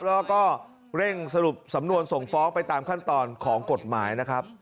แล้วก็เร่งสรุปสำนวนส่งฟ้องไปตามขั้นตอนของกฎหมายนะครับ